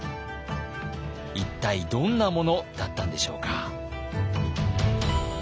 一体どんなものだったんでしょうか。